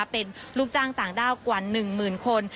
เป็นลูกจ้างต่างด้าวกว่า๑หมื่นคน